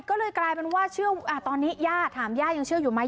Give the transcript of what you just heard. ก็เลยกลายเป็นว่าเชื่อตอนนี้ย่าถามย่ายังเชื่ออยู่ไหม